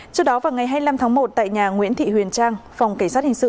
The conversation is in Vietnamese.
trước đó vào ngày hai mươi năm tháng một tại nhà nguyễn thị huyền trang phòng cảnh sát hình sự